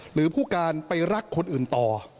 หรือผู้การไปรักคนอื่นต่อ